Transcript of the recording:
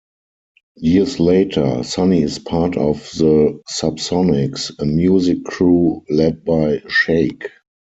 Years later, Sunny is part of the Subsonics, a music crew led by Shake.